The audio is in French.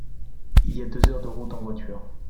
Il y a deux heures de route en voiture.